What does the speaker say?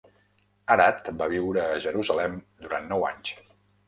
Arad va viure a Jerusalem durant nou anys.